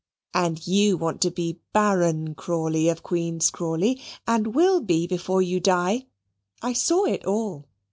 And you want to be Baron Crawley of Queen's Crawley, and will be before you die. I saw it all.